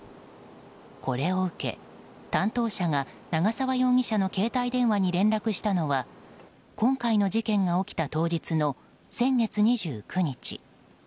これを受け、担当者が長沢容疑者の携帯電話に連絡したのは今回の事件が起きた当日の先月２９日。